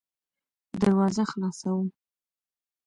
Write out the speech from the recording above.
دروازه خلاصوم .